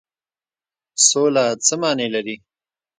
سوله څه معنی لري؟